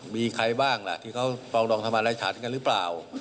มีใครบ้างล่ะที่เขาปรองดองทำอะไรฉันกันหรือเปล่า